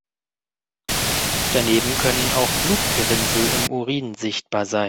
Daneben können auch Blutgerinnsel im Urin sichtbar sein.